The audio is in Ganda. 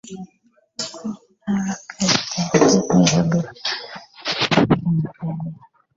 Ku Lwokutaano lwa Ssabbiiti eno, byayogerwaPulezidenti Yoweri Museveni